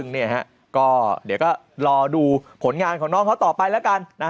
เนี่ยฮะก็เดี๋ยวก็รอดูผลงานของน้องเขาต่อไปแล้วกัน